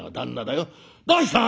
『どうした！？